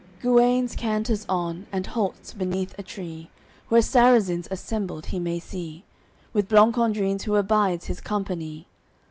AOI. XXVIII Guenes canters on, and halts beneath a tree; Where Sarrazins assembled he may see, With Blancandrins, who abides his company.